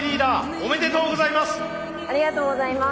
おめでとうございます。